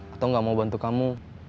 atau gak mau bantu kamu